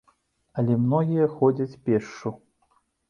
Але многія ходзяць пешшу.